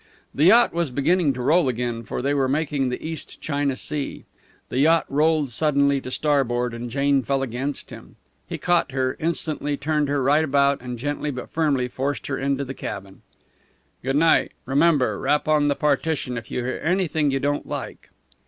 The yacht was beginning to roll now, for they were making the East China Sea. The yacht rolled suddenly to starboard, and Jane fell against him. He caught her, instantly turned her right about and gently but firmly forced her into the cabin. "Good night. Remember! Rap on the partition if you hear anything you don't like."